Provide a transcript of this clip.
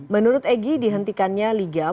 menurut egy dihentikannya liga